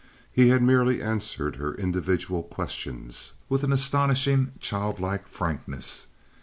He had merely answered her individual questions with an astonishing, childlike frankness.